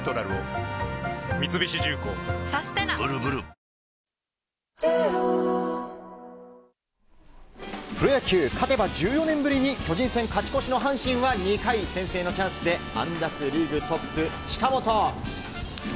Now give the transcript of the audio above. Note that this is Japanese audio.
東京海上日動のＤＡＰプロ野球、勝てば１４年ぶりに巨人戦勝ち越しの阪神は２回先制のチャンスで安打数リーグトップ、近本。